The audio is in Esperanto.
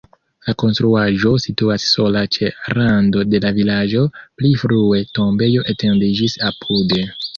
La konstruaĵo situas sola ĉe rando de la vilaĝo, pli frue tombejo etendiĝis apude.